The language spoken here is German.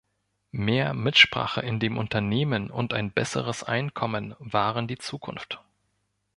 Mehr Mitsprache in dem Unternehmen und ein besseres Einkommen waren die Zukunft.